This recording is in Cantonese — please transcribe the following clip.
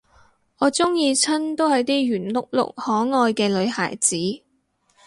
我鍾意親都係啲圓碌碌可愛嘅女孩子